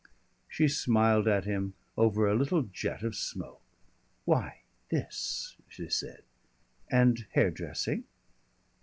She smiled at him over a little jet of smoke. "Why, this," she said. "And hairdressing?"